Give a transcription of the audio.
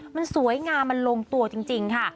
มันสวยงามมันลงตัวจริงค่ะ